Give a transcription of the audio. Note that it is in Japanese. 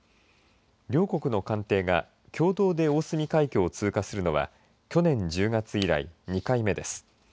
両国の艦艇が共同で大隅海峡を通過するのは去年１０月以来、２回目です。